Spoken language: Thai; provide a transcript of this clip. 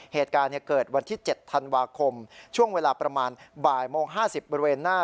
เหตุการณ์เกิดวันที่๗ธันวาคมช่วงเวลาประมาณบ่ายโมง๕๐บริเวณหน้า